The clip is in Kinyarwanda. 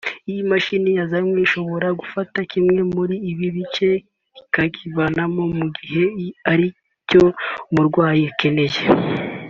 Iyi mashini yazanywe ishobora gufata kimwe muri ibi bice ikakivanamo mu gihe aricyo umurwayi akeneye